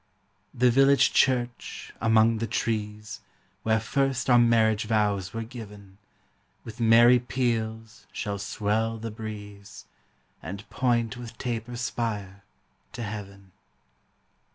The village church, among the trees, Where first our marriage vows were giv'n, With merry peals shall swell the breeze, And point with taper spire to heav'n.